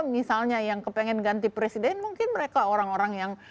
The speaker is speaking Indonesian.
misalnya yang kepengen ganti presiden mungkin mereka orang orang yang